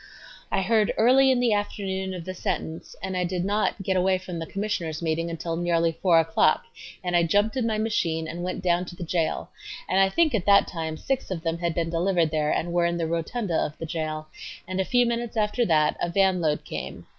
I heard early in the afternoon of the sentence, and I did not get away from the Commissioners' meeting until nearly 4 o'clock and I jumped in my machine and went down to the jail, and I think at that time six of them had been delivered there and were in the rotunda of the jail, and a few minutes after that a van load came.